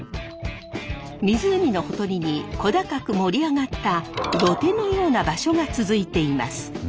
湖のほとりに小高く盛り上がった土手のような場所が続いています。